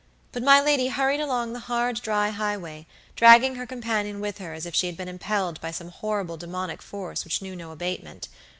But my lady hurried along the hard, dry highway, dragging her companion with her as if she had been impelled by some horrible demoniac force which knew no abatement.